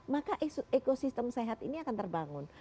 maka ekosistem sehat ini akan terbangun